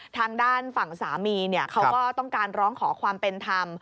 ทางด้านฝั่งสามีเขาก็ต้องการร้องขอความเป็นธรรม